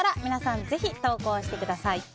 ぜひ投稿してください。